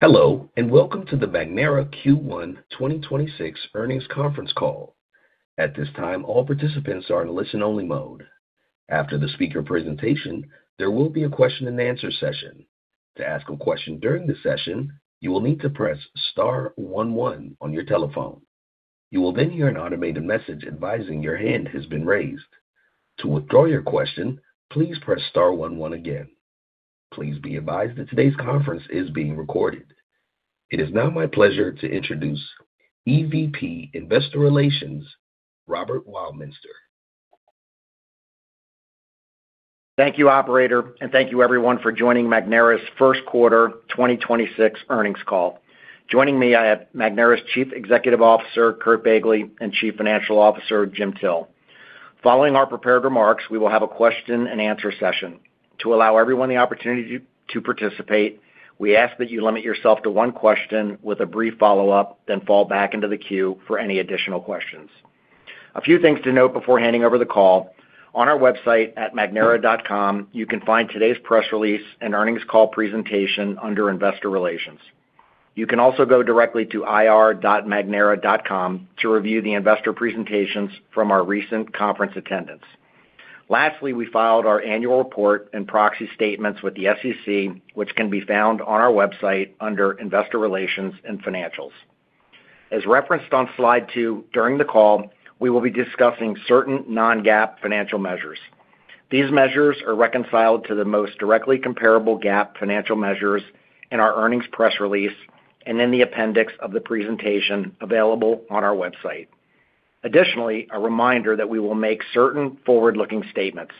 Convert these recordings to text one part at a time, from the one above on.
Hello, and welcome to the Magnera Q1 2026 Earnings Conference Call. At this time, all participants are in listen-only mode. After the speaker presentation, there will be a question-and-answer session. To ask a question during the session, you will need to press star one one on your telephone. You will then hear an automated message advising your hand has been raised. To withdraw your question, please press star one one again. Please be advised that today's conference is being recorded. It is now my pleasure to introduce EVP Investor Relations, Robert Weilminster. Thank you, operator, and thank you everyone for joining Magnera's first quarter 2026 earnings call. Joining me, I have Magnera's Chief Executive Officer, Curt Begle, and Chief Financial Officer, Jim Till. Following our prepared remarks, we will have a question-and-answer session. To allow everyone the opportunity to participate, we ask that you limit yourself to one question with a brief follow-up, then fall back into the queue for any additional questions. A few things to note before handing over the call. On our website at magnera.com, you can find today's press release and earnings call presentation under Investor Relations. You can also go directly to ir.magnera.com to review the investor presentations from our recent conference attendance. Lastly, we filed our annual report and proxy statements with the SEC, which can be found on our website under Investor Relations and Financials. As referenced on slide 2, during the call, we will be discussing certain non-GAAP financial measures. These measures are reconciled to the most directly comparable GAAP financial measures in our earnings press release and in the appendix of the presentation available on our website. Additionally, a reminder that we will make certain forward-looking statements.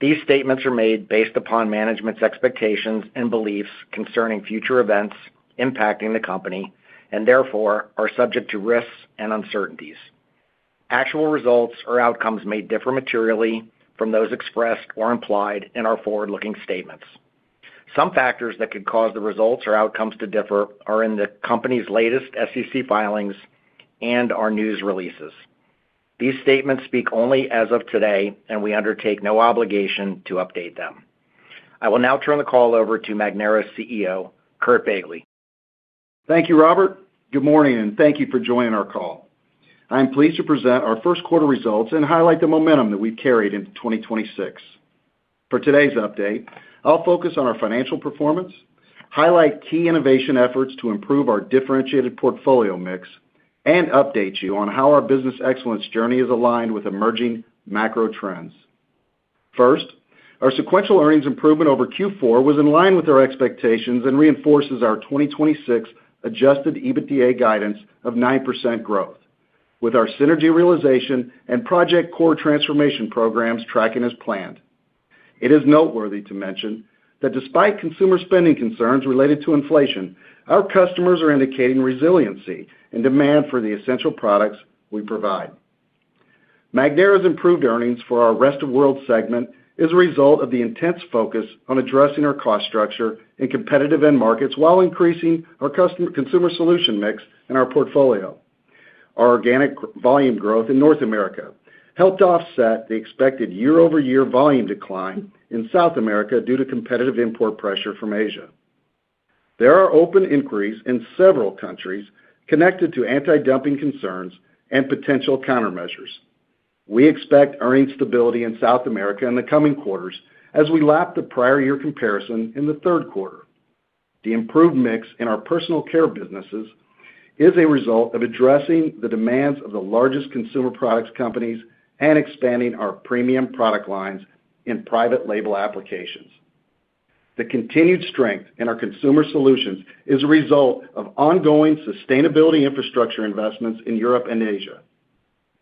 These statements are made based upon management's expectations and beliefs concerning future events impacting the company, and therefore, are subject to risks and uncertainties. Actual results or outcomes may differ materially from those expressed or implied in our forward-looking statements. Some factors that could cause the results or outcomes to differ are in the company's latest SEC filings and our news releases. These statements speak only as of today, and we undertake no obligation to update them. I will now turn the call over to Magnera's CEO, Curt Begle. Thank you, Robert. Good morning, and thank you for joining our call. I'm pleased to present our first quarter results and highlight the momentum that we've carried into 2026. For today's update, I'll focus on our financial performance, highlight key innovation efforts to improve our differentiated portfolio mix, and update you on how our business excellence journey is aligned with emerging macro trends. First, our sequential earnings improvement over Q4 was in line with our expectations and reinforces our 2026 Adjusted EBITDA guidance of 9% growth, with our synergy realization and Project Core transformation programs tracking as planned. It is noteworthy to mention that despite consumer spending concerns related to inflation, our customers are indicating resiliency and demand for the essential products we provide. Magnera's improved earnings for our Rest of World segment is a result of the intense focus on addressing our cost structure in competitive end markets while increasing our customer-consumer solution mix in our portfolio. Our organic volume growth in North America helped offset the expected year-over-year volume decline in South America due to competitive import pressure from Asia. There are open inquiries in several countries connected to anti-dumping concerns and potential countermeasures. We expect earnings stability in South America in the coming quarters as we lap the prior year comparison in the third quarter. The improved mix in our personal care businesses is a result of addressing the demands of the largest consumer products companies and expanding our premium product lines in private label applications. The continued strength in our consumer solutions is a result of ongoing sustainability infrastructure investments in Europe and Asia.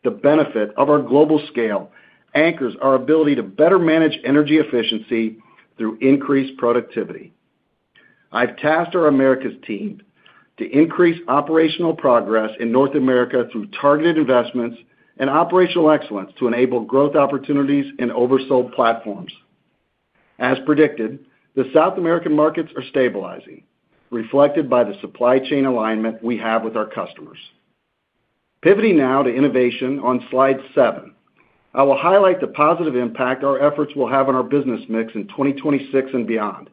The benefit of our global scale anchors our ability to better manage energy efficiency through increased productivity. I've tasked our Americas team to increase operational progress in North America through targeted investments and operational excellence to enable growth opportunities in oversold platforms. As predicted, the South American markets are stabilizing, reflected by the supply chain alignment we have with our customers. Pivoting now to innovation on slide seven. I will highlight the positive impact our efforts will have on our business mix in 2026 and beyond.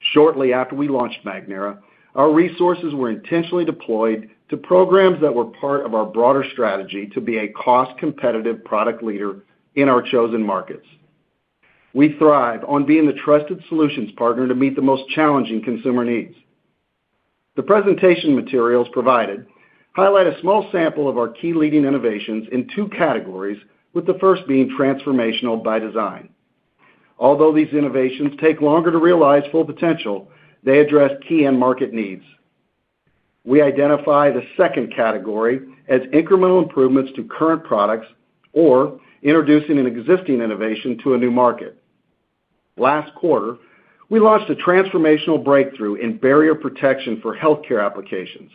Shortly after we launched Magnera, our resources were intentionally deployed to programs that were part of our broader strategy to be a cost-competitive product leader in our chosen markets. We thrive on being the trusted solutions partner to meet the most challenging consumer needs. The presentation materials provided highlight a small sample of our key leading innovations in two categories, with the first being transformational by design. Although these innovations take longer to realize full potential, they address key end market needs. We identify the second category as incremental improvements to current products or introducing an existing innovation to a new market. Last quarter, we launched a transformational breakthrough in barrier protection for healthcare applications.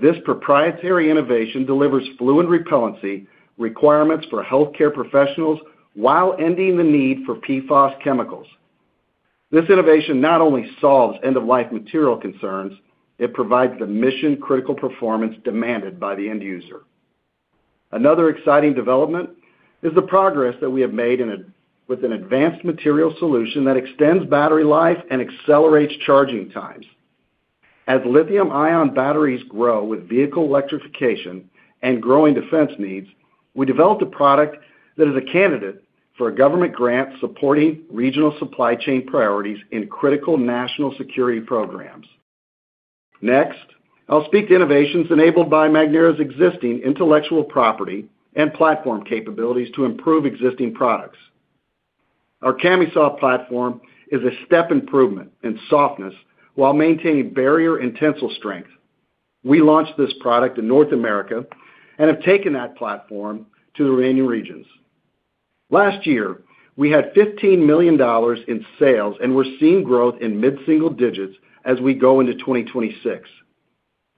This proprietary innovation delivers fluid repellency requirements for healthcare professionals while ending the need for PFAS chemicals. This innovation not only solves end-of-life material concerns, it provides the mission-critical performance demanded by the end user. Another exciting development is the progress that we have made with an advanced material solution that extends battery life and accelerates charging times. As lithium-ion batteries grow with vehicle electrification and growing defense needs, we developed a product that is a candidate for a government grant supporting regional supply chain priorities in critical national security programs. Next, I'll speak to innovations enabled by Magnera's existing intellectual property and platform capabilities to improve existing products. Our Kamisoft platform is a step improvement in softness while maintaining barrier and tensile strength. We launched this product in North America and have taken that platform to the remaining regions. Last year, we had $15 million in sales, and we're seeing growth in mid-single digits as we go into 2026.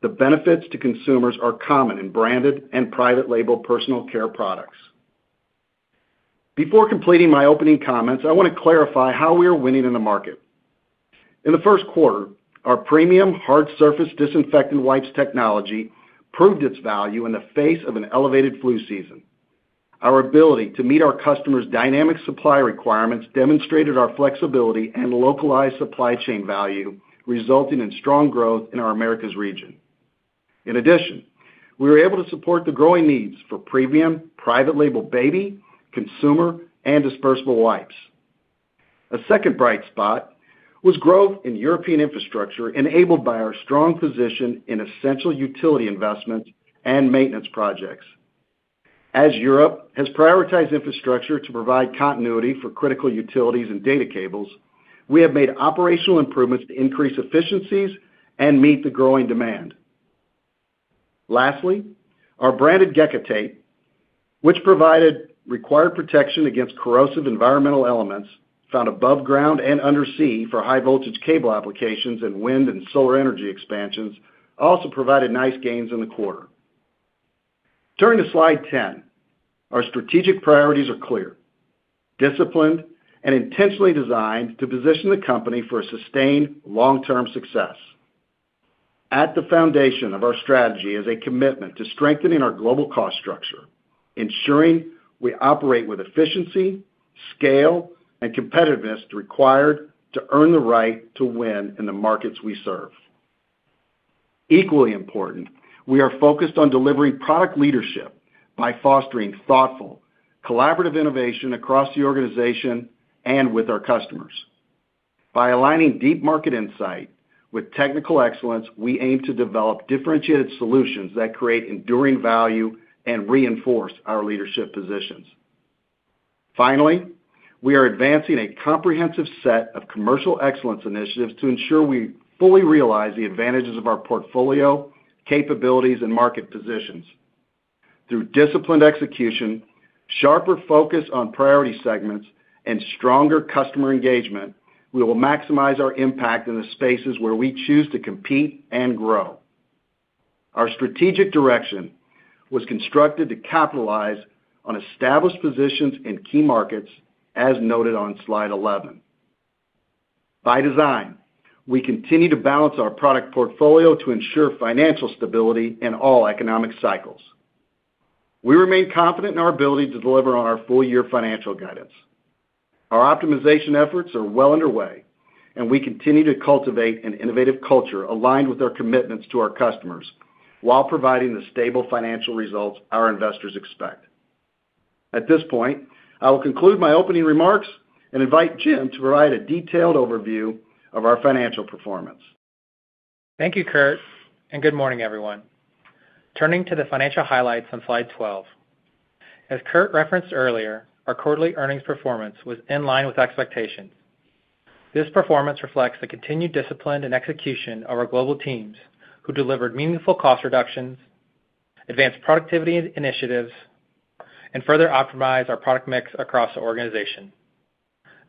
The benefits to consumers are common in branded and private label personal care products. Before completing my opening comments, I want to clarify how we are winning in the market. In the first quarter, our premium hard surface disinfecting wipes technology proved its value in the face of an elevated flu season. Our ability to meet our customers' dynamic supply requirements demonstrated our flexibility and localized supply chain value, resulting in strong growth in our Americas region. In addition, we were able to support the growing needs for premium, private label baby, consumer, and dispersible wipes. A second bright spot was growth in European infrastructure, enabled by our strong position in essential utility investments and maintenance projects. As Europe has prioritized infrastructure to provide continuity for critical utilities and data cables, we have made operational improvements to increase efficiencies and meet the growing demand. Lastly, our branded Gekko Tape, which provided required protection against corrosive environmental elements found above ground and undersea for high-voltage cable applications and wind and solar energy expansions, also provided nice gains in the quarter. Turning to Slide 10, our strategic priorities are clear, disciplined, and intentionally designed to position the company for a sustained long-term success. At the foundation of our strategy is a commitment to strengthening our global cost structure, ensuring we operate with efficiency, scale, and competitiveness required to earn the right to win in the markets we serve. Equally important, we are focused on delivering product leadership by fostering thoughtful, collaborative innovation across the organization and with our customers. By aligning deep market insight with technical excellence, we aim to develop differentiated solutions that create enduring value and reinforce our leadership positions. Finally, we are advancing a comprehensive set of commercial excellence initiatives to ensure we fully realize the advantages of our portfolio, capabilities, and market positions. Through disciplined execution, sharper focus on priority segments, and stronger customer engagement, we will maximize our impact in the spaces where we choose to compete and grow. Our strategic direction was constructed to capitalize on established positions in key markets, as noted on Slide 11. By design, we continue to balance our product portfolio to ensure financial stability in all economic cycles. We remain confident in our ability to deliver on our full-year financial guidance. Our optimization efforts are well underway, and we continue to cultivate an innovative culture aligned with our commitments to our customers, while providing the stable financial results our investors expect. At this point, I will conclude my opening remarks and invite Jim to provide a detailed overview of our financial performance. Thank you, Curt, and good morning, everyone. Turning to the financial highlights on Slide 12. As Curt referenced earlier, our quarterly earnings performance was in line with expectations. This performance reflects the continued discipline and execution of our global teams, who delivered meaningful cost reductions, advanced productivity initiatives, and further optimized our product mix across the organization.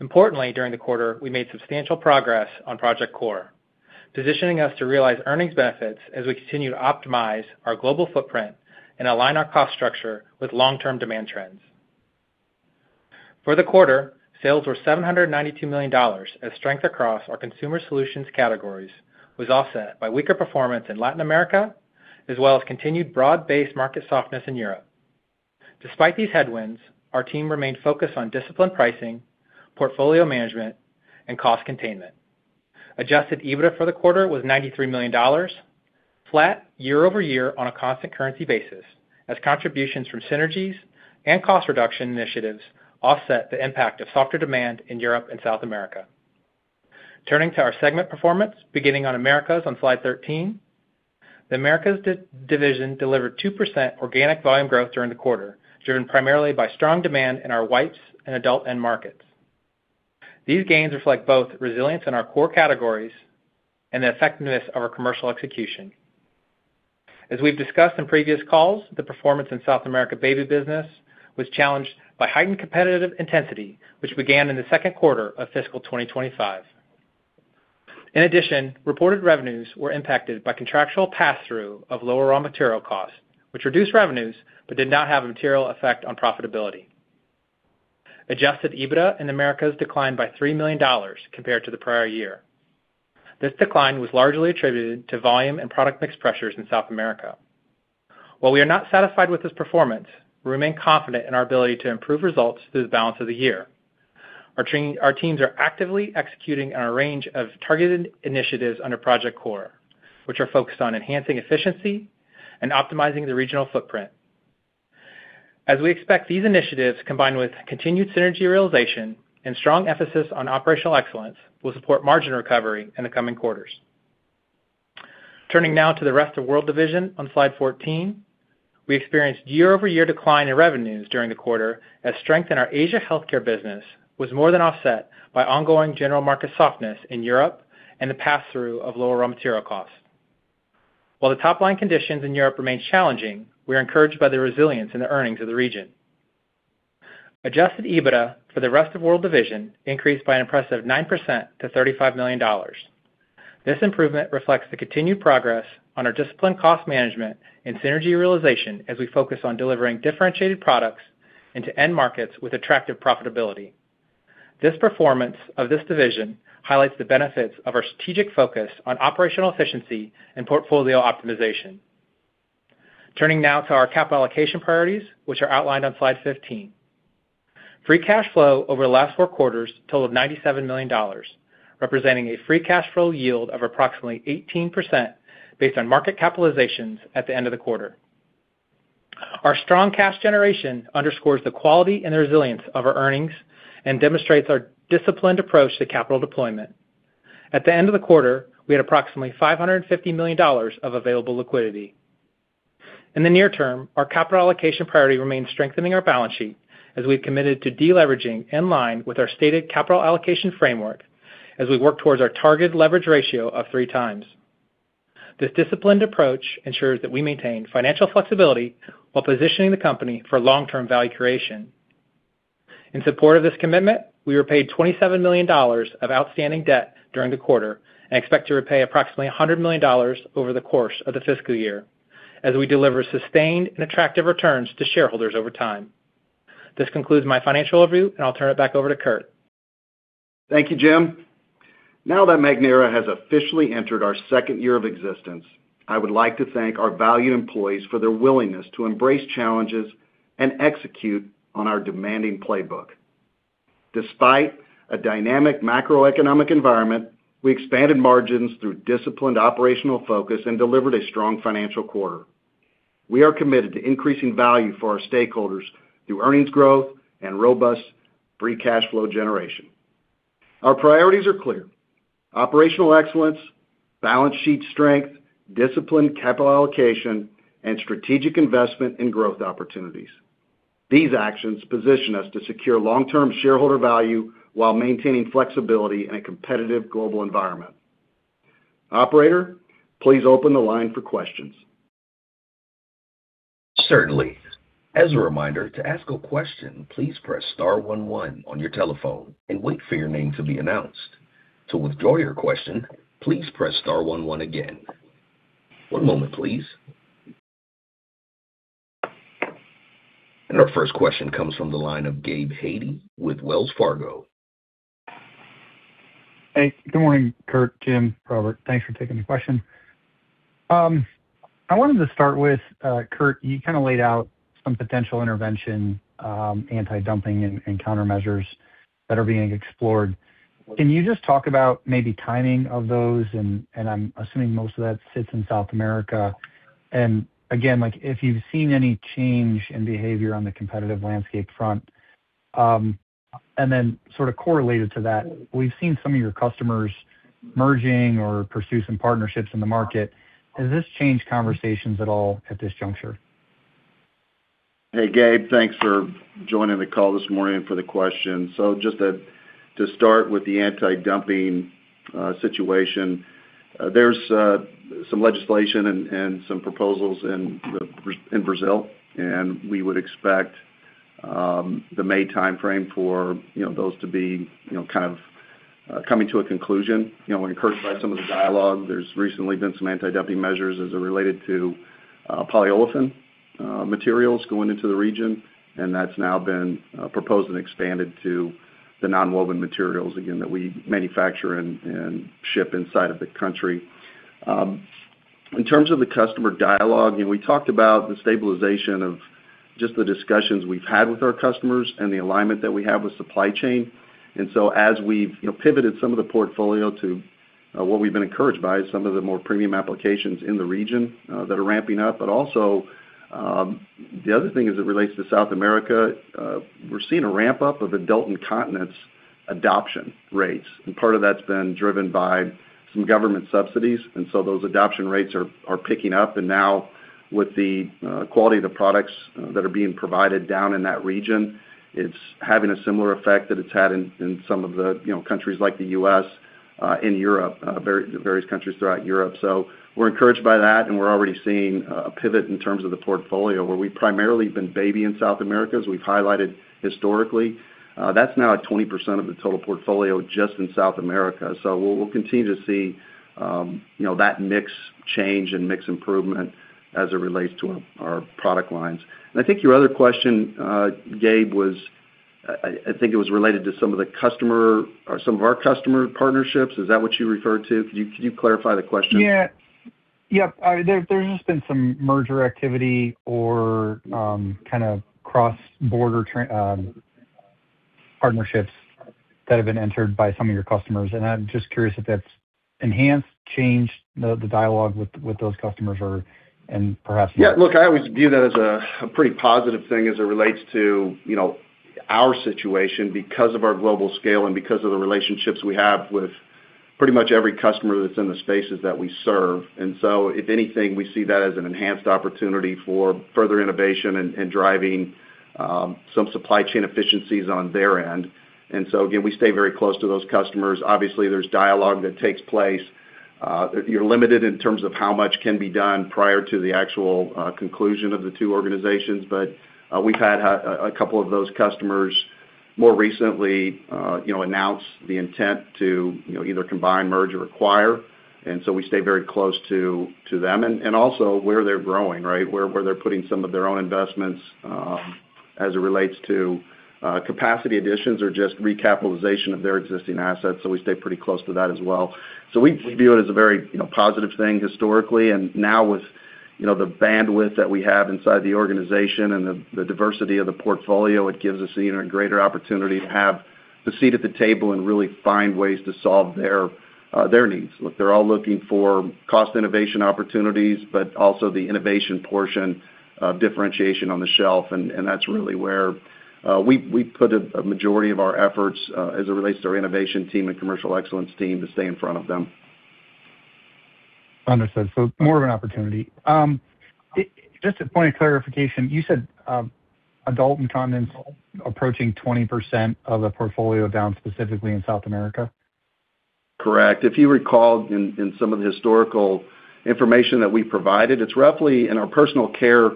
Importantly, during the quarter, we made substantial progress on Project Core, positioning us to realize earnings benefits as we continue to optimize our global footprint and align our cost structure with long-term demand trends. For the quarter, sales were $792 million, as strength across our consumer solutions categories was offset by weaker performance in Latin America, as well as continued broad-based market softness in Europe. Despite these headwinds, our team remained focused on disciplined pricing, portfolio management, and cost containment. Adjusted EBITDA for the quarter was $93 million, flat year-over-year on a constant currency basis, as contributions from synergies and cost reduction initiatives offset the impact of softer demand in Europe and South America. Turning to our segment performance, beginning with Americas on Slide 13. The Americas division delivered 2% organic volume growth during the quarter, driven primarily by strong demand in our wipes and adult end markets. These gains reflect both resilience in our core categories and the effectiveness of our commercial execution. As we've discussed in previous calls, the performance in South America baby business was challenged by heightened competitive intensity, which began in the second quarter of fiscal 2025. In addition, reported revenues were impacted by contractual pass-through of lower raw material costs, which reduced revenues but did not have a material effect on profitability. Adjusted EBITDA in Americas declined by $3 million compared to the prior year. This decline was largely attributed to volume and product mix pressures in South America. While we are not satisfied with this performance, we remain confident in our ability to improve results through the balance of the year. Our team, our teams are actively executing on a range of targeted initiatives under Project Core, which are focused on enhancing efficiency and optimizing the regional footprint. As we expect these initiatives, combined with continued synergy realization and strong emphasis on operational excellence, will support margin recovery in the coming quarters. Turning now to the Rest of World division on Slide 14, we experienced year-over-year decline in revenues during the quarter, as strength in our Asia healthcare business was more than offset by ongoing general market softness in Europe and the pass-through of lower raw material costs. While the top-line conditions in Europe remain challenging, we are encouraged by the resilience in the earnings of the region. Adjusted EBITDA for the Rest of World division increased by an impressive 9% to $35 million. This improvement reflects the continued progress on our disciplined cost management and synergy realization as we focus on delivering differentiated products into end markets with attractive profitability. This performance of this division highlights the benefits of our strategic focus on operational efficiency and portfolio optimization. Turning now to our capital allocation priorities, which are outlined on Slide 15. Free cash flow over the last four quarters totaled $97 million, representing a free cash flow yield of approximately 18% based on market capitalizations at the end of the quarter. Our strong cash generation underscores the quality and the resilience of our earnings and demonstrates our disciplined approach to capital deployment. At the end of the quarter, we had approximately $550 million of available liquidity. In the near term, our capital allocation priority remains strengthening our balance sheet as we've committed to deleveraging in line with our stated capital allocation framework as we work towards our target leverage ratio of 3x. This disciplined approach ensures that we maintain financial flexibility while positioning the company for long-term value creation. In support of this commitment, we repaid $27 million of outstanding debt during the quarter and expect to repay approximately $100 million over the course of the fiscal year, as we deliver sustained and attractive returns to shareholders over time. This concludes my financial overview, and I'll turn it back over to Curt. Thank you, Jim. Now that Magnera has officially entered our second year of existence, I would like to thank our valued employees for their willingness to embrace challenges and execute on our demanding playbook. Despite a dynamic macroeconomic environment, we expanded margins through disciplined operational focus and delivered a strong financial quarter. We are committed to increasing value for our stakeholders through earnings growth and robust Free Cash Flow generation. Our priorities are clear: operational excellence, balance sheet strength, disciplined capital allocation, and strategic investment in growth opportunities. These actions position us to secure long-term shareholder value while maintaining flexibility in a competitive global environment. Operator, please open the line for questions. Certainly. As a reminder, to ask a question, please press star one one on your telephone and wait for your name to be announced. To withdraw your question, please press star one one again. One moment, please. Our first question comes from the line of Gabe Hajde with Wells Fargo. Hey, good morning, Curt, Jim, Robert. Thanks for taking the question. I wanted to start with, Curt, you kind of laid out some potential intervention, anti-dumping and, and countermeasures that are being explored. Can you just talk about maybe timing of those? And, and I'm assuming most of that sits in South America. And again, like, if you've seen any change in behavior on the competitive landscape front. And then sort of correlated to that, we've seen some of your customers merging or pursuing some partnerships in the market. Has this changed conversations at all at this juncture? Hey, Gabe, thanks for joining the call this morning and for the question. So just to start with the anti-dumping situation, there's some legislation and some proposals in Brazil, and we would expect the May timeframe for those to be kind of coming to a conclusion. You know, we're encouraged by some of the dialogue. There's recently been some anti-dumping measures as it related to polyolefin materials going into the region, and that's now been proposed and expanded to the nonwoven materials, again, that we manufacture and ship inside of the country. In terms of the customer dialogue, you know, we talked about the stabilization of just the discussions we've had with our customers and the alignment that we have with supply chain. And so as we've, you know, pivoted some of the portfolio to what we've been encouraged by is some of the more premium applications in the region that are ramping up. But also, the other thing as it relates to South America, we're seeing a ramp-up of adult incontinence adoption rates, and part of that's been driven by some government subsidies, and so those adoption rates are picking up. And now, with the quality of the products that are being provided down in that region, it's having a similar effect that it's had in some of the, you know, countries like the U.S., in Europe, various countries throughout Europe. So we're encouraged by that, and we're already seeing a pivot in terms of the portfolio, where we've primarily been baby in South America, as we've highlighted historically. That's now at 20% of the total portfolio just in South America. So we'll continue to see, you know, that mix change and mix improvement as it relates to our product lines. And I think your other question, Gabe, was—I think it was related to some of the customer or some of our customer partnerships. Is that what you referred to? Could you clarify the question? Yeah. Yep, there, there's just been some merger activity or, kind of cross-border partnerships that have been entered by some of your customers, and I'm just curious if that's enhanced, changed the, the dialogue with, with those customers or, and perhaps- Yeah, look, I always view that as a pretty positive thing as it relates to, you know, our situation because of our global scale and because of the relationships we have with pretty much every customer that's in the spaces that we serve. And so if anything, we see that as an enhanced opportunity for further innovation and driving some supply chain efficiencies on their end. And so again, we stay very close to those customers. Obviously, there's dialogue that takes place. You're limited in terms of how much can be done prior to the actual conclusion of the two organizations. But we've had a couple of those customers more recently, you know, announce the intent to, you know, either combine, merge, or acquire, and so we stay very close to them. And also where they're growing, right? Where they're putting some of their own investments, as it relates to, capacity additions or just recapitalization of their existing assets. So we stay pretty close to that as well. So we view it as a very, you know, positive thing historically. And now with, you know, the bandwidth that we have inside the organization and the diversity of the portfolio, it gives us even a greater opportunity to have the seat at the table and really find ways to solve their their needs. Look, they're all looking for cost innovation opportunities, but also the innovation portion of differentiation on the shelf, and that's really where we put a majority of our efforts, as it relates to our innovation team and commercial excellence team to stay in front of them. Understood. So more of an opportunity. Just a point of clarification, you said, adult incontinence approaching 20% of the portfolio down, specifically in South America? Correct. If you recall in some of the historical information that we provided, it's roughly in our personal care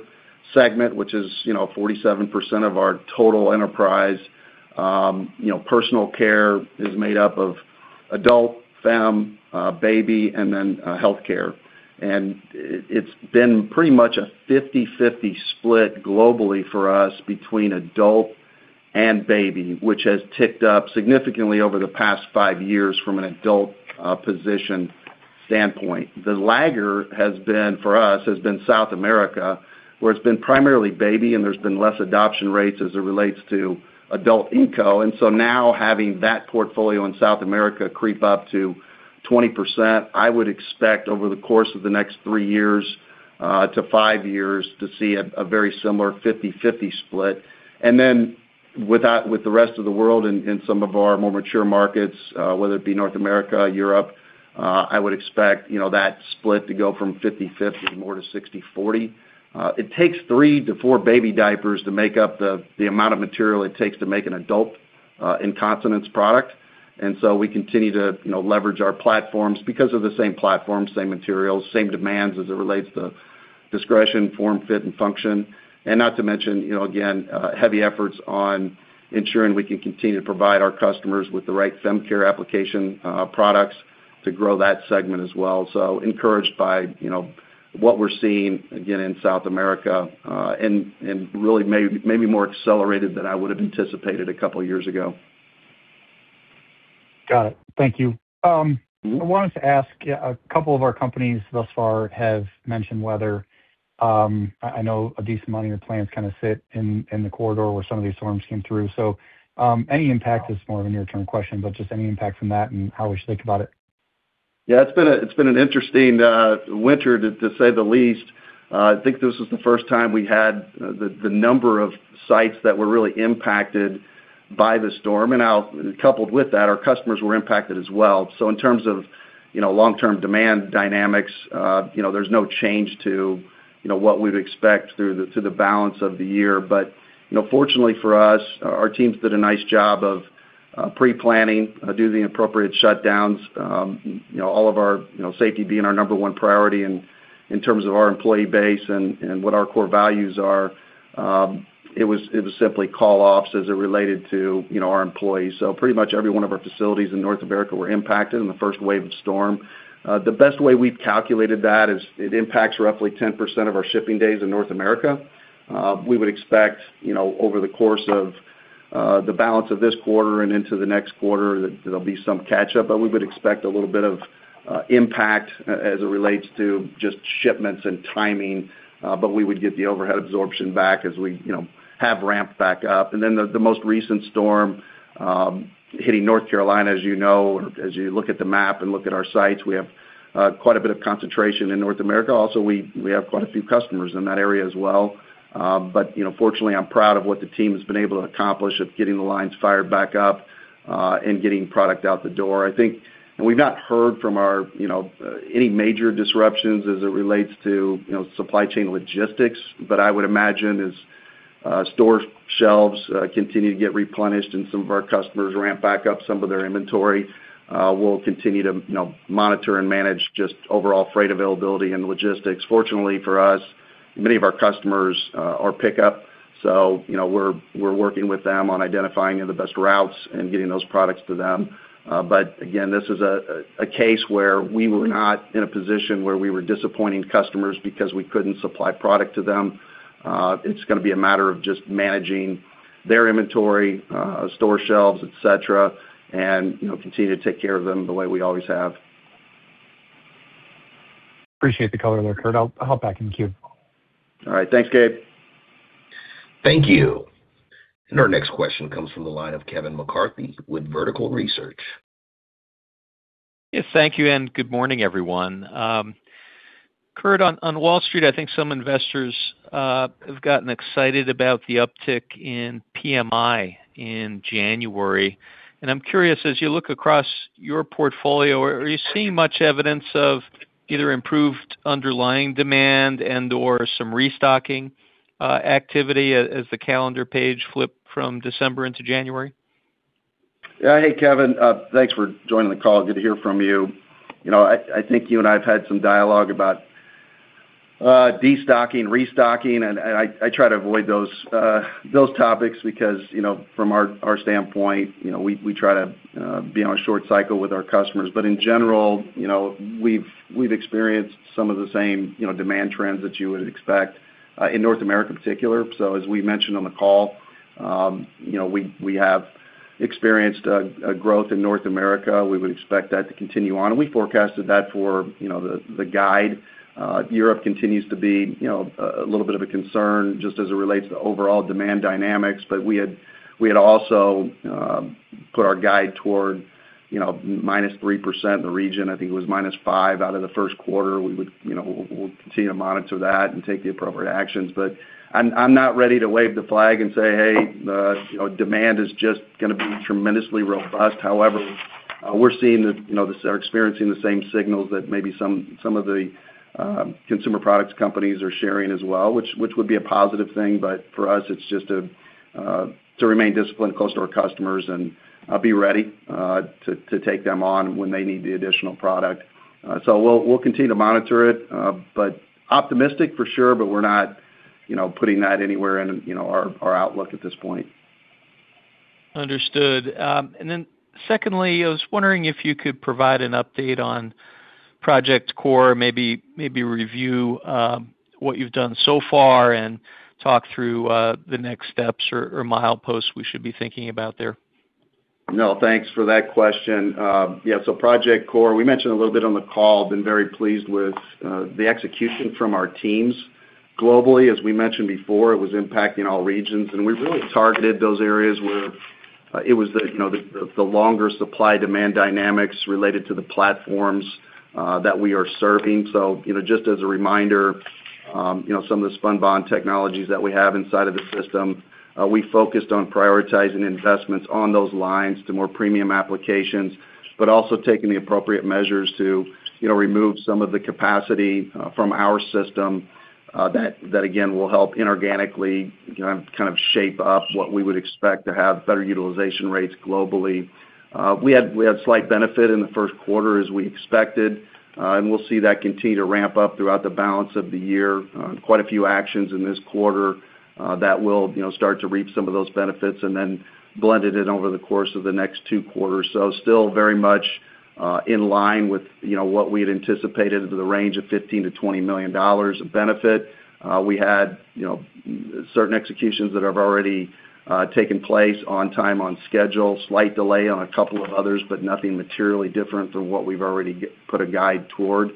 segment, which is, you know, 47% of our total enterprise. You know, personal care is made up of adult, fem, baby, and then healthcare. It's been pretty much a 50/50 split globally for us between adult and baby, which has ticked up significantly over the past five years from an adult position standpoint. The laggard has been for us South America, where it's been primarily baby, and there's been less adoption rates as it relates to adult incontinence. So now, having that portfolio in South America creep up to 20%, I would expect over the course of the next three years to five years to see a very similar 50/50 split. And then, with that, with the rest of the world in some of our more mature markets, whether it be North America, Europe, I would expect, you know, that split to go from 50/50 more to 60/40. It takes 3-4 baby diapers to make up the amount of material it takes to make an adult incontinence product. And so we continue to, you know, leverage our platforms because of the same platform, same materials, same demands as it relates to discretion, form, fit, and function. And not to mention, you know, again, heavy efforts on ensuring we can continue to provide our customers with the right fem care application products to grow that segment as well. Encouraged by, you know, what we're seeing again in South America, and really maybe more accelerated than I would've anticipated a couple of years ago. Got it. Thank you. I wanted to ask, a couple of our companies thus far have mentioned weather. I know a decent amount of your plants kind of sit in the corridor where some of these storms came through. So, any impact, this is more of a near-term question, but just any impact from that and how we should think about it? Yeah, it's been an interesting winter, to say the least. I think this was the first time we had the number of sites that were really impacted by the storm. And now, coupled with that, our customers were impacted as well. So in terms of, you know, long-term demand dynamics, you know, there's no change to what we'd expect through to the balance of the year. But, you know, fortunately for us, our teams did a nice job of pre-planning, doing the appropriate shutdowns, you know, all of our safety being our number one priority in terms of our employee base and what our core values are. It was simply call-offs as it related to our employees. So pretty much every one of our facilities in North America were impacted in the first wave of storm. The best way we've calculated that is it impacts roughly 10% of our shipping days in North America. We would expect, you know, over the course of the balance of this quarter and into the next quarter, that there'll be some catch up, but we would expect a little bit of impact as it relates to just shipments and timing, but we would get the overhead absorption back as we, you know, have ramped back up. And then the most recent storm hitting North Carolina, as you know, as you look at the map and look at our sites, we have quite a bit of concentration in North America. Also, we have quite a few customers in that area as well. But, you know, fortunately, I'm proud of what the team has been able to accomplish of getting the lines fired back up and getting product out the door. I think and we've not heard from our, you know, any major disruptions as it relates to, you know, supply chain logistics, but I would imagine as store shelves continue to get replenished and some of our customers ramp back up some of their inventory, we'll continue to, you know, monitor and manage just overall freight availability and logistics. Fortunately for us, many of our customers are pickup, so, you know, we're working with them on identifying the best routes and getting those products to them. But again, this is a case where we were not in a position where we were disappointing customers because we couldn't supply product to them. It's gonna be a matter of just managing... their inventory, store shelves, et cetera, and, you know, continue to take care of them the way we always have. Appreciate the color there, Curt. I'll back in the queue. All right. Thanks, Gabe. Thank you. Our next question comes from the line of Kevin McCarthy with Vertical Research. Yes, thank you, and good morning, everyone. Curt, on Wall Street, I think some investors have gotten excited about the uptick in PMI in January, and I'm curious, as you look across your portfolio, are you seeing much evidence of either improved underlying demand and/or some restocking activity as the calendar page flipped from December into January? Yeah. Hey, Kevin, thanks for joining the call. Good to hear from you. You know, I think you and I have had some dialogue about destocking, restocking, and I try to avoid those topics because, you know, from our standpoint, you know, we try to be on a short cycle with our customers. But in general, you know, we've experienced some of the same, you know, demand trends that you would expect in North America, particular. So as we mentioned on the call, you know, we have experienced a growth in North America. We would expect that to continue on, and we forecasted that for, you know, the guide. Europe continues to be, you know, a little bit of a concern, just as it relates to overall demand dynamics. But we had, we had also put our guide toward, you know, -3% in the region. I think it was minus 5 out of the first quarter. We would, you know, we'll continue to monitor that and take the appropriate actions. But I'm, I'm not ready to wave the flag and say, "Hey, you know, demand is just gonna be tremendously robust." However, we're seeing the, you know, are experiencing the same signals that maybe some, some of the consumer products companies are sharing as well, which, which would be a positive thing. But for us, it's just to remain disciplined, close to our customers, and be ready to, to take them on when they need the additional product. So we'll continue to monitor it, but optimistic for sure, but we're not, you know, putting that anywhere in, you know, our outlook at this point. Understood. And then secondly, I was wondering if you could provide an update on Project Core, maybe review what you've done so far and talk through the next steps or mileposts we should be thinking about there. No, thanks for that question. Yeah, so Project Core, we mentioned a little bit on the call, been very pleased with the execution from our teams globally. As we mentioned before, it was impacting all regions, and we really targeted those areas where, you know, it was the longer supply-demand dynamics related to the platforms that we are serving. So, you know, just as a reminder, you know, some of the Spunbond technologies that we have inside of the system, we focused on prioritizing investments on those lines to more premium applications, but also taking the appropriate measures to, you know, remove some of the capacity from our system that again will help inorganically kind of shape up what we would expect to have better utilization rates globally. We had, we had slight benefit in the first quarter as we expected, and we'll see that continue to ramp up throughout the balance of the year. Quite a few actions in this quarter that will, you know, start to reap some of those benefits and then blended in over the course of the next two quarters. So still very much in line with, you know, what we had anticipated into the range of $15 million-$20 million of benefit. We had, you know, certain executions that have already taken place on time, on schedule, slight delay on a couple of others, but nothing materially different than what we've already put a guide toward.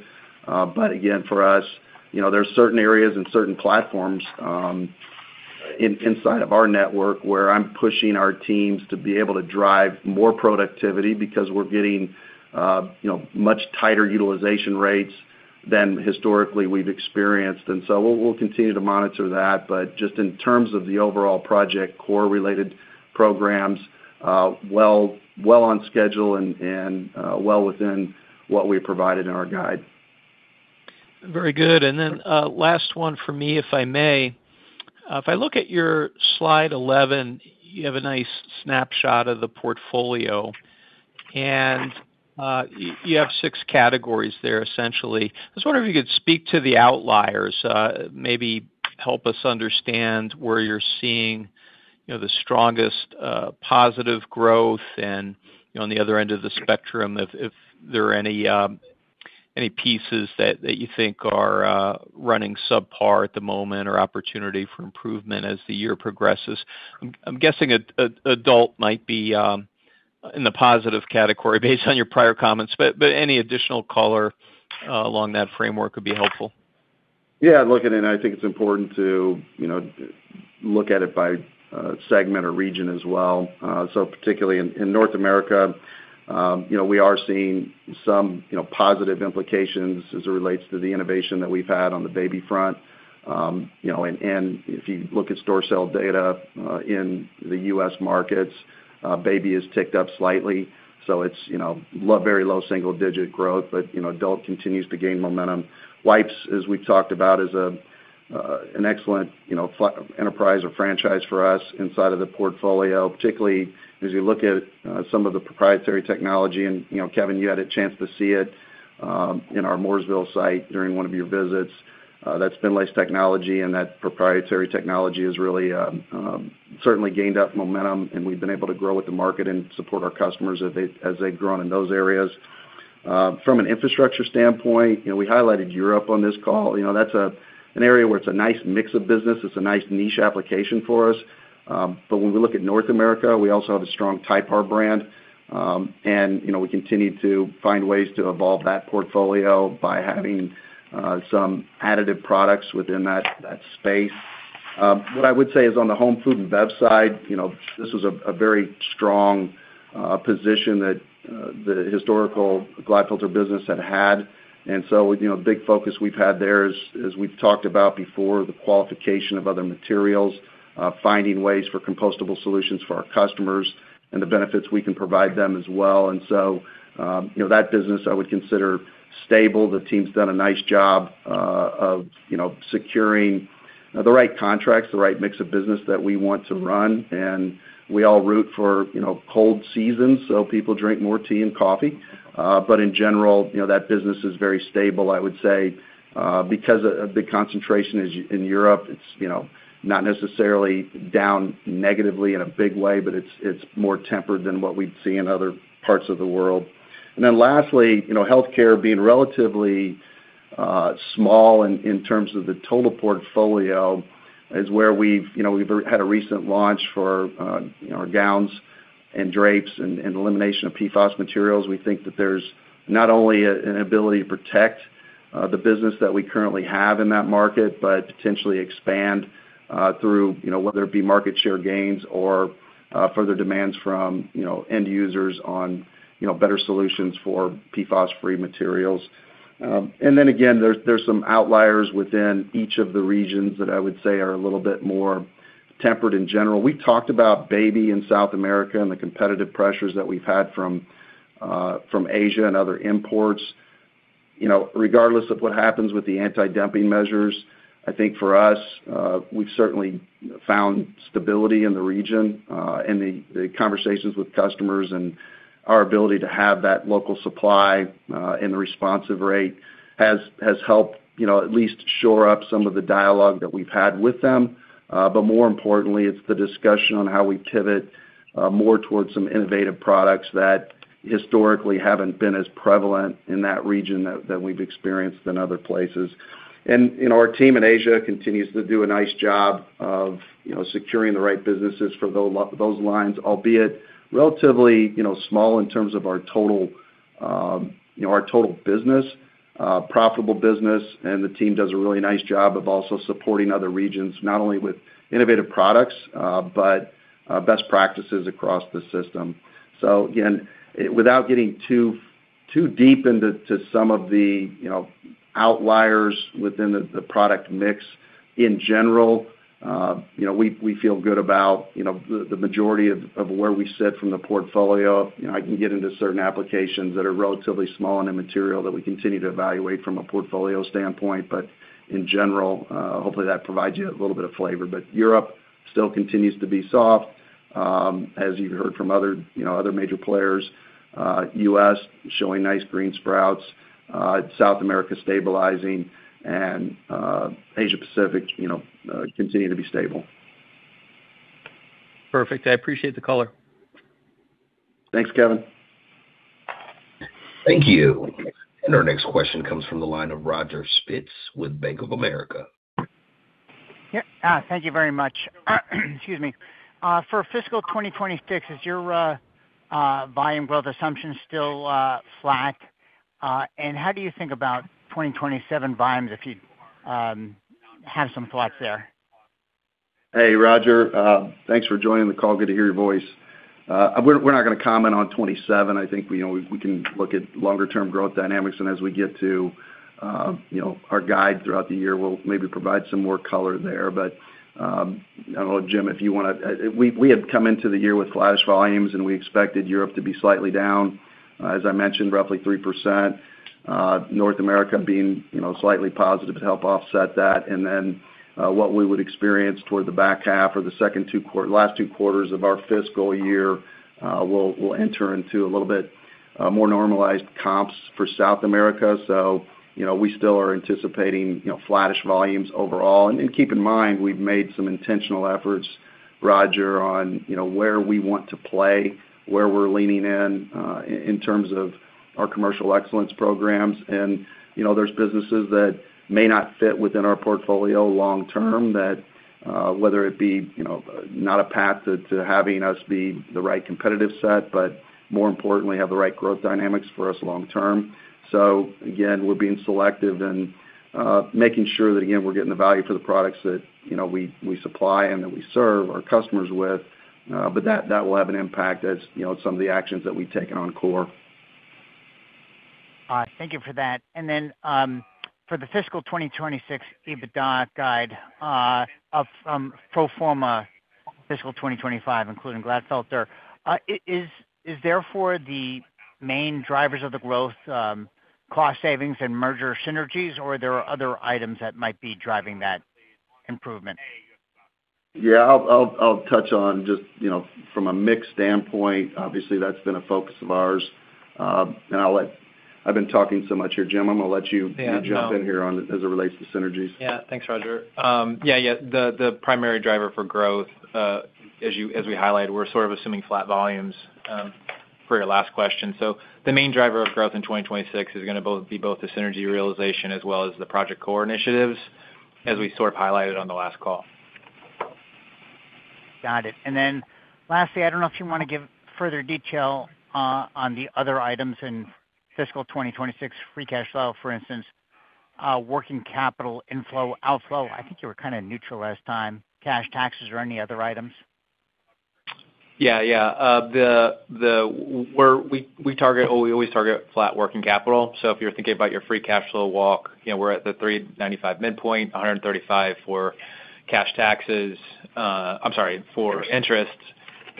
But again, for us, you know, there are certain areas and certain platforms, inside of our network, where I'm pushing our teams to be able to drive more productivity because we're getting, you know, much tighter utilization rates than historically we've experienced. And so we'll continue to monitor that. But just in terms of the overall Project Core-related programs, well on schedule and well within what we provided in our guide. Very good. Then, last one for me, if I may. If I look at your slide 11, you have a nice snapshot of the portfolio, and you have six categories there, essentially. I was wondering if you could speak to the outliers, maybe help us understand where you're seeing, you know, the strongest positive growth, and, you know, on the other end of the spectrum, if there are any pieces that you think are running subpar at the moment or opportunity for improvement as the year progresses. I'm guessing adult might be in the positive category based on your prior comments, but any additional color along that framework would be helpful. Yeah, look, and then I think it's important to, you know, look at it by, segment or region as well. So particularly in North America, you know, we are seeing some, you know, positive implications as it relates to the innovation that we've had on the baby front. You know, and, and if you look at store sale data, in the US markets, baby is ticked up slightly, so it's, you know, very low single digit growth, but, you know, adult continues to gain momentum. Wipes, as we talked about, is a, an excellent, you know, enterprise or franchise for us inside of the portfolio, particularly as you look at, some of the proprietary technology. And, you know, Kevin, you had a chance to see it, in our Mooresville site during one of your visits. That Spinlace technology and that proprietary technology has really certainly gained up momentum, and we've been able to grow with the market and support our customers as they've grown in those areas. From an infrastructure standpoint, you know, we highlighted Europe on this call. You know, that's an area where it's a nice mix of business. It's a nice niche application for us. But when we look at North America, we also have a strong TYPAR brand. And, you know, we continue to find ways to evolve that portfolio by having some additive products within that space. What I would say is on the home, food, and bev side, you know, this was a very strong position that the historical Glatfelter business had had. So, you know, a big focus we've had there is, as we've talked about before, the qualification of other materials, finding ways for compostable solutions for our customers and the benefits we can provide them as well. So, you know, that business, I would consider stable. The team's done a nice job, of, you know, securing, the right contracts, the right mix of business that we want to run, and we all root for, you know, cold seasons, so people drink more tea and coffee. But in general, you know, that business is very stable, I would say. Because of the concentration is in Europe, it's, you know, not necessarily down negatively in a big way, but it's, it's more tempered than what we'd see in other parts of the world. And then lastly, you know, healthcare being relatively small in terms of the total portfolio, is where we've... You know, we've had a recent launch for, you know, our gowns and drapes and elimination of PFOS materials. We think that there's not only an ability to protect the business that we currently have in that market, but potentially expand through, you know, whether it be market share gains or further demands from, you know, end users on, you know, better solutions for PFOS-free materials. And then again, there's some outliers within each of the regions that I would say are a little bit more tempered in general. We talked about baby in South America and the competitive pressures that we've had from Asia and other imports. You know, regardless of what happens with the anti-dumping measures, I think for us, we've certainly found stability in the region, and the conversations with customers and our ability to have that local supply, and the responsive rate has helped, you know, at least shore up some of the dialogue that we've had with them. But more importantly, it's the discussion on how we pivot more towards some innovative products that historically haven't been as prevalent in that region, that than we've experienced in other places. And our team in Asia continues to do a nice job of, you know, securing the right businesses for those lines, albeit relatively, you know, small in terms of our total, our total business, profitable business. The team does a really nice job of also supporting other regions, not only with innovative products, but best practices across the system. So again, without getting too deep into some of the, you know, outliers within the product mix, in general, you know, we feel good about, you know, the majority of where we sit from the portfolio. You know, I can get into certain applications that are relatively small and immaterial that we continue to evaluate from a portfolio standpoint, but in general, hopefully, that provides you a little bit of flavor. But Europe still continues to be soft, as you've heard from other, you know, other major players. U.S. showing nice green sprouts, South America stabilizing, and Asia Pacific, you know, continue to be stable. Perfect. I appreciate the color. Thanks, Kevin. Thank you. Our next question comes from the line of Roger Spitz with Bank of America. Yeah. Thank you very much. Excuse me. For fiscal 2026, is your volume growth assumption still flat? And how do you think about 2027 volumes, if you have some thoughts there? Hey, Roger. Thanks for joining the call. Good to hear your voice. We're not gonna comment on 27. I think, you know, we can look at longer-term growth dynamics, and as we get to, you know, our guide throughout the year, we'll maybe provide some more color there. But, I don't know, Jim, if you wanna... We had come into the year with flattish volumes, and we expected Europe to be slightly down, as I mentioned, roughly 3%. North America being, you know, slightly positive to help offset that. And then, what we would experience toward the back half or the last two quarters of our fiscal year, will enter into a little bit, more normalized comps for South America. So, you know, we still are anticipating, you know, flattish volumes overall. Keep in mind, we've made some intentional efforts, Roger, on, you know, where we want to play, where we're leaning in, in terms of our commercial excellence programs. You know, there's businesses that may not fit within our portfolio long term, that whether it be, you know, not a path to having us be the right competitive set, but more importantly, have the right growth dynamics for us long term. So again, we're being selective and making sure that, again, we're getting the value for the products that, you know, we supply and that we serve our customers with, but that will have an impact, as you know, some of the actions that we've taken on core. Thank you for that. And then, for the fiscal 2026 EBITDA guide of pro forma fiscal 2025, including Glatfelter, is therefore the main drivers of the growth, cost savings and merger synergies, or there are other items that might be driving that improvement? Yeah, I'll, I'll, I'll touch on just, you know, from a mix standpoint, obviously, that's been a focus of ours. And I'll let... I've been talking so much here. Jim, I'm gonna let you- Yeah, no. Jump in here on as it relates to synergies. Yeah. Thanks, Roger. Yeah, yeah, the primary driver for growth, as we highlighted, we're sort of assuming flat volumes for your last question. So the main driver of growth in 2026 is gonna be both the synergy realization as well as the Project Core initiatives, as we sort of highlighted on the last call. Got it. And then lastly, I don't know if you want to give further detail on the other items in fiscal 2026, Free Cash Flow, for instance, working capital inflow, outflow. I think you were kind of neutral last time, cash taxes or any other items? Yeah, yeah. Where we target—we always target flat working capital. So if you're thinking about your free cash flow walk, you know, we're at the $395 million midpoint, $135 million for cash taxes. I'm sorry, for interest,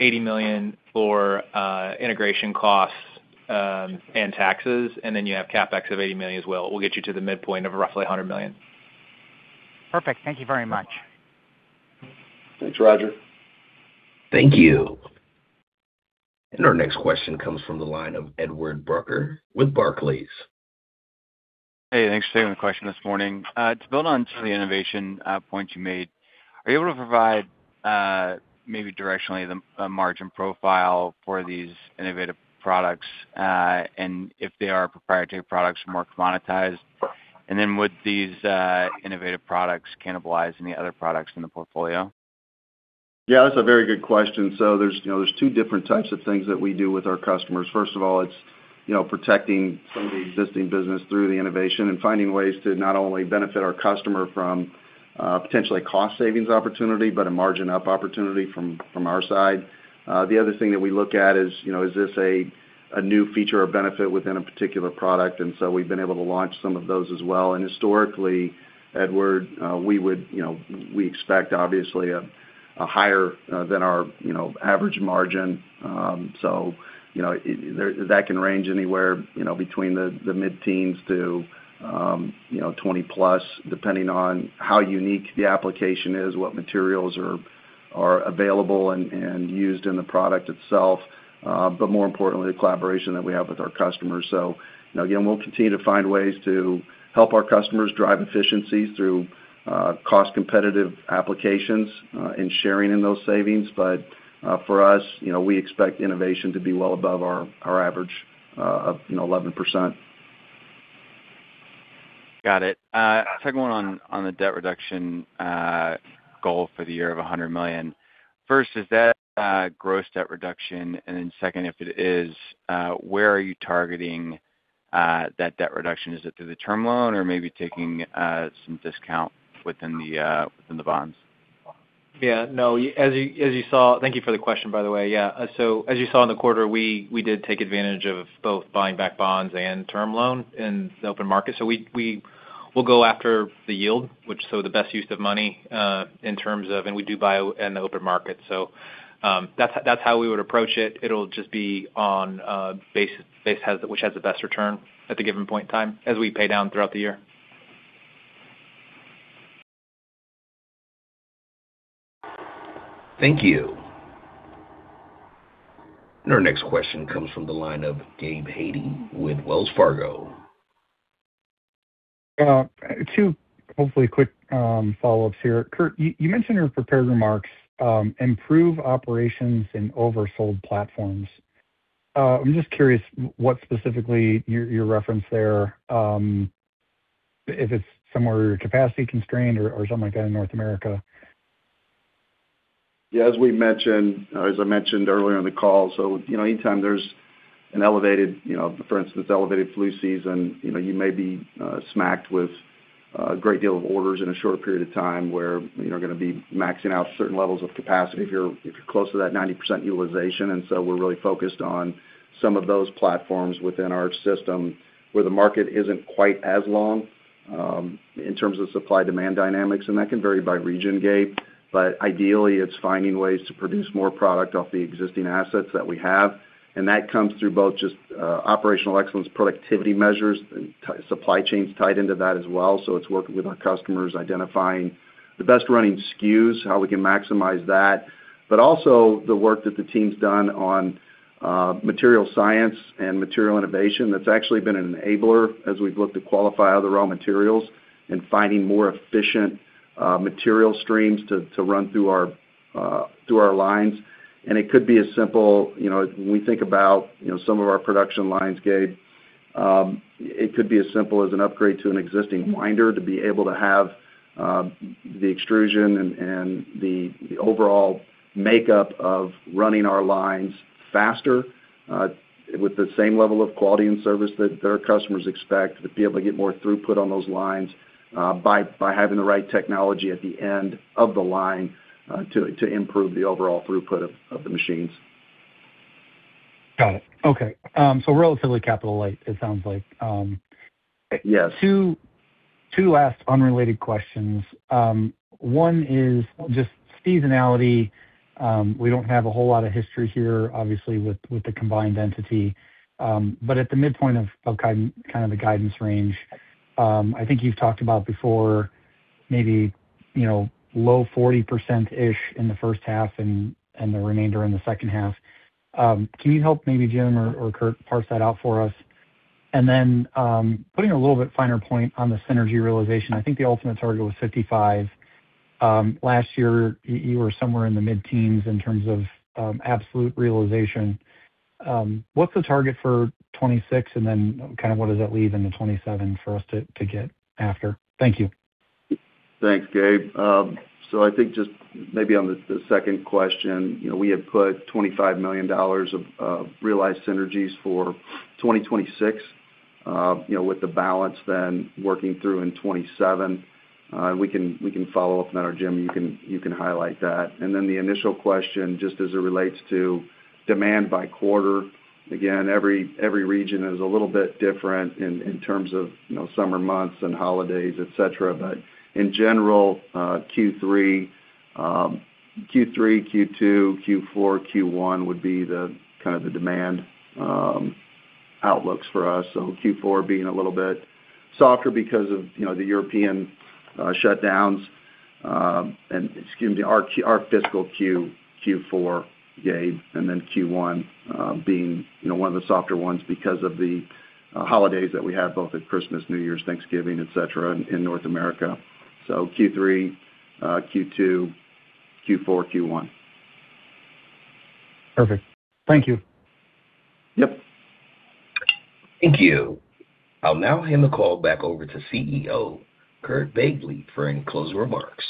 $80 million for integration costs, and taxes, and then you have CapEx of $80 million as well, will get you to the midpoint of roughly $100 million. Perfect. Thank you very much. Thanks, Roger. Thank you. Our next question comes from the line of Edward Brucker with Barclays. Hey, thanks for taking the question this morning. To build on some of the innovation points you made, are you able to provide maybe directionally the margin profile for these innovative products? And if they are proprietary products, more commoditized. And then would these innovative products cannibalize any other products in the portfolio? Yeah, that's a very good question. So there's, you know, there's two different types of things that we do with our customers. First of all, it's, you know, protecting some of the existing business through the innovation and finding ways to not only benefit our customer from potentially cost savings opportunity, but a margin up opportunity from, from our side. The other thing that we look at is, you know, is this a new feature or benefit within a particular product? And so we've been able to launch some of those as well. And historically, Edward, we would, you know, we expect obviously a higher than our, you know, average margin. So, you know, that can range anywhere, you know, between the mid-teens to twenty plus, depending on how unique the application is, what materials are available and used in the product itself, but more importantly, the collaboration that we have with our customers. So, you know, again, we'll continue to find ways to help our customers drive efficiencies through cost competitive applications and sharing in those savings. But, for us, you know, we expect innovation to be well above our average of 11%. Got it. Second one on the debt reduction goal for the year of $100 million. First, is that gross debt reduction? And then second, if it is, where are you targeting that debt reduction? Is it through the term loan or maybe taking some discount within the bonds? Yeah, no, as you saw. Thank you for the question, by the way. Yeah, so as you saw in the quarter, we did take advantage of both buying back bonds and term loan in the open market. So we will go after the yield, which so the best use of money in terms of. And we do buy in the open market. So that's how we would approach it. It'll just be on base, base has the- which has the best return at the given point in time, as we pay down throughout the year. Thank you. Our next question comes from the line of Gabe Hajde with Wells Fargo. Two hopefully quick follow-ups here. Curt, you mentioned your prepared remarks, improve operations and oversold platforms. I'm just curious what specifically your reference there, if it's somewhere capacity constrained or something like that in North America? Yeah, as we mentioned, or as I mentioned earlier in the call, so, you know, anytime there's an elevated, you know, for instance, elevated flu season, you know, you may be smacked with a great deal of orders in a short period of time where you're gonna be maxing out certain levels of capacity if you're, if you're close to that 90% utilization. And so we're really focused on some of those platforms within our system, where the market isn't quite as long in terms of supply-demand dynamics, and that can vary by region, Gabe. But ideally, it's finding ways to produce more product off the existing assets that we have, and that comes through both just operational excellence, productivity measures, and supply chains tied into that as well. It's working with our customers, identifying the best running SKUs, how we can maximize that, but also the work that the team's done on material science and material innovation. That's actually been an enabler as we've looked to qualify other raw materials and finding more efficient material streams to run through our lines. It could be as simple, you know, when we think about, you know, some of our production lines, Gabe, it could be as simple as an upgrade to an existing winder to be able to have the extrusion and the overall makeup of running our lines faster with the same level of quality and service that their customers expect, to be able to get more throughput on those lines by having the right technology at the end of the line to improve the overall throughput of the machines. Got it. Okay, so relatively capital light, it sounds like, Yeah. Two last unrelated questions. One is just seasonality. We don't have a whole lot of history here, obviously, with the combined entity. But at the midpoint of the guidance range, I think you've talked about before, maybe, you know, low 40%-ish in the first half and the remainder in the second half. Can you help maybe, Jim or Curt, parse that out for us? And then, putting a little bit finer point on the synergy realization, I think the ultimate target was 55. Last year, you were somewhere in the mid-teens in terms of absolute realization. What's the target for 2026? And then, kind of what does that leave in the 2027 for us to get after? Thank you. Thanks, Gabe. So I think just maybe on the second question, you know, we had put $25 million of realized synergies for 2026, you know, with the balance then working through in 2027. We can follow up on that, or Jim, you can highlight that. And then the initial question, just as it relates to demand by quarter, again, every region is a little bit different in terms of, you know, summer months and holidays, et cetera. But in general, Q3, Q2, Q4, Q1 would be the kind of the demand outlooks for us. So Q4 being a little bit softer because of, you know, the European shutdowns, and excuse me, our Q- our fiscal Q, Q4, Gabe, and then Q1, being, you know, one of the softer ones because of the, holidays that we have both at Christmas, New Year's, Thanksgiving, et cetera, in North America. So Q3, Q2, Q4, Q1. Perfect. Thank you. Yep. Thank you. I'll now hand the call back over to CEO, Curt Begle, for any closing remarks.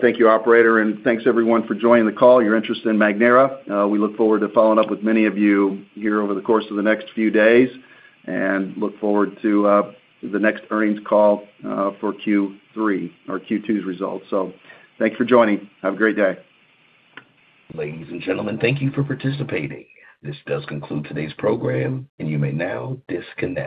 Thank you, operator, and thanks everyone for joining the call. Your interest in Magnera. We look forward to following up with many of you here over the course of the next few days, and look forward to the next earnings call for Q3 or Q2's results. So thanks for joining. Have a great day. Ladies and gentlemen, thank you for participating. This does conclude today's program, and you may now disconnect.